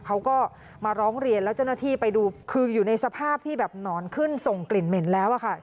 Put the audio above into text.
เขาก็มาร้องเรียนแล้วเจ้าหน้าที่ไปดูคืออยู่ในสภาพที่แบบหนอนขึ้นส่งกลิ่นเหม็นแล้วอะค่ะ